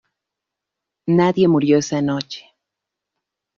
Nadie murió esa noche.